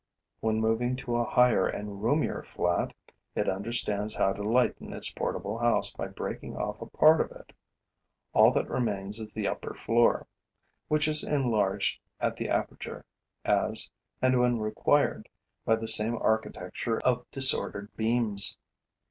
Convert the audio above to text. When moving to a higher and roomier flat, it understands how to lighten its portable house by breaking off a part of it. All that remains is the upper floor, which is enlarged at the aperture, as and when required, by the same architecture of disordered beams.